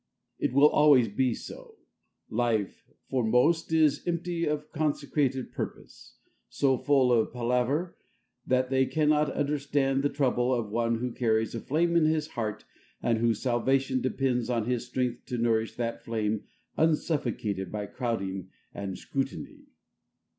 It will always be so. Life, for most, is so empty of consecrated purpose, so full of palaver, that they cannot understand the trouble of one who carries a flame in his heart, and whose salvation depends on his strength to nourish that flame unsuffocated by crowding and scrutiny.